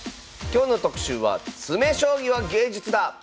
今日の特集は「詰将棋は芸術だ！」。